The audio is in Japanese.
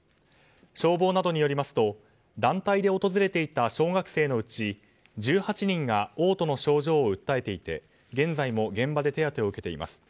消防などによりますと団体で訪れていた小学生のうち１８人がおう吐の症状を訴えていて現在も現場で手当てを受けています。